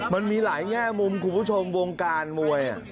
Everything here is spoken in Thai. มันมีหลายแง่มุมคุณผู้ชมวงการมวย